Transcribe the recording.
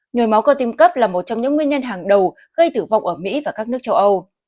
nhồi máu cơ tim cấp là một trong những nguyên nhân hàng đầu gây tử vong ở mỹ và các nước châu âu